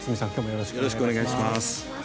よろしくお願いします。